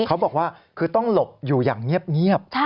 เขาบอกว่าคือต้องหลบอยู่อย่างเงียบ